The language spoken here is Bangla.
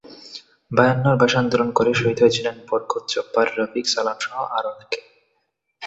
বায়ান্নর ভাষা আন্দোলন করে শহীদ হয়েছিলেন বরকত, জব্বার, রফিক, সালামসহ আরও অনেকে।